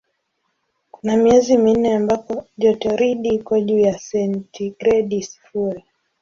Kuna miezi minne ambako jotoridi iko juu ya sentigredi sifuri.